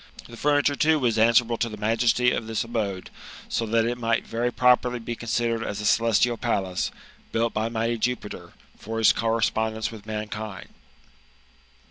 The furniture, too, was answerable to the majesty of this abode ; so that it might yery 7t THE MKTAMORPHOSISi OR properly be considered as a celestial palace, built by mighty Jupiter, for his correspondence with mankind.